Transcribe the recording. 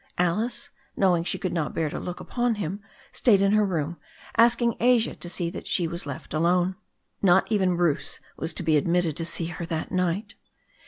Alice, knowing she could not bear to look upon him, had stayed in her room, asking Asia to see that she was left alone. Not even Bruce was to be admitted to see her that night.